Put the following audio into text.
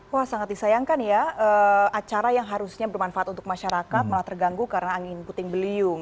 wah sangat disayangkan ya acara yang harusnya bermanfaat untuk masyarakat malah terganggu karena angin puting beliung